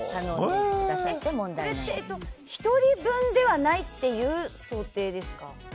これって１人分ではないという想定ですか？